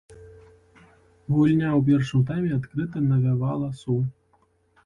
Гульня ў першым тайме адкрыта навявала сум.